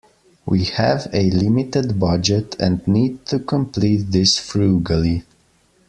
We have a limited budget and need to complete this frugally.